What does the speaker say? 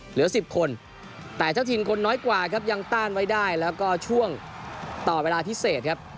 เหลือ๑๐คนแต่เจ้าถิ่นคนน้อยกว่าครับยังต้านไว้ได้แล้วก็ช่วงต่อเวลาพิเศษครับ